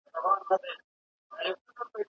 شپونکے پۀ تړه ناست دے سپکوي زړۀ پۀ شپېلۍ کښې